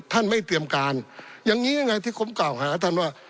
ไม่เตรียมการอย่างนี้ยังไงที่ผมกล่าวหาท่านว่า